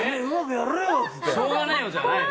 「しょうがないよ」じゃないの？